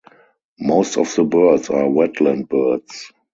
Most of the birds are wetland birds.